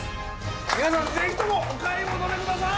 皆さんぜひともお買い求めください！